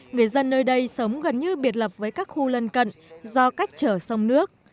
người dân nơi đây sống gần như biệt lập với các khu lân cận do cách chở sông nước